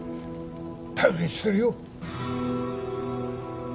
頼りにしてるよ